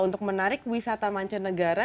untuk menarik wisata mancanegara